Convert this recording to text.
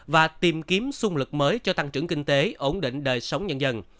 và tìm kiếm xung lực mới cho tăng trưởng kinh tế ổn định đời sống nhân dân